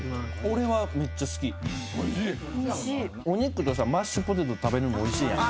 お肉とマッシュポテト食べるのもおいしいやん。